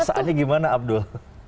rasaannya gimana abdul